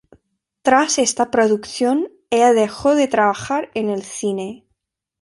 Tras esta producción, ella dejó de trabajar en el cine.